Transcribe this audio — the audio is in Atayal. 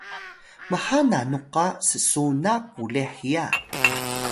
mha nanu qa s’suna qulih hiya?